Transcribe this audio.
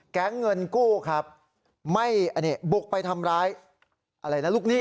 แก๊งเงินกู้ครับไม่อันนี้บุกไปทำร้ายอะไรนะลูกหนี้